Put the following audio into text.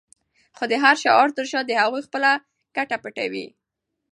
خو د هر شعار تر شا د هغوی خپله ګټه پټه وي.